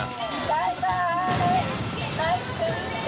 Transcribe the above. バイバイ！